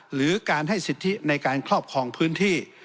หรือการให้สิทธิในการครอบครองพื้นที่